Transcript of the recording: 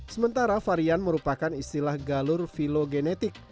sementara varian merupakan istilah galur filogenetik